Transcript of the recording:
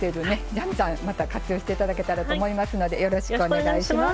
じゃんじゃんまた活用して頂けたらと思いますのでよろしくお願いします。